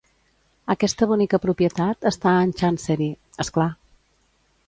Aquesta bonica propietat està en Chancery, és clar.